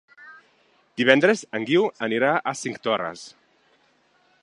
Divendres en Guiu anirà a Cinctorres.